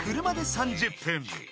車で３０分］